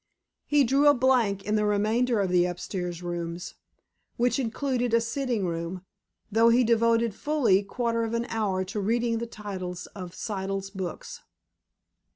He drew a blank in the remainder of the upstairs rooms, which included a sitting room, though he devoted fully quarter of an hour to reading the titles of Siddle's books.